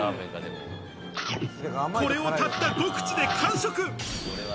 これをたった５口で完食。